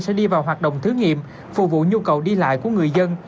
sẽ đi vào hoạt động thử nghiệm phục vụ nhu cầu đi lại của người dân